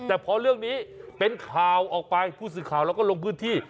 แต่พอเรื่องนี้เป็นข่าวออกไปผู้สื่อข่าวเราก็ลงพื้นที่